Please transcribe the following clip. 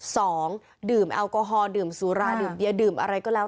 สองดื่มแอลกอฮอลดื่มสุราดื่มเบียร์ดื่มอะไรก็แล้ว